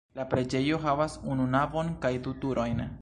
La preĝejo havas unu navon kaj du turojn.